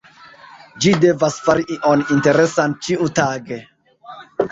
Ĝi devas fari ion interesan ĉiutage.